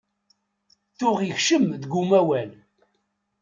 Tuɣ ikcem deg umawal.